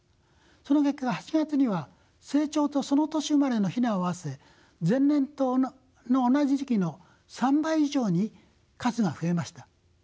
その結果８月には成鳥とその年生まれの雛を合わせ前年の同じ時期の３倍以上に数が増えました。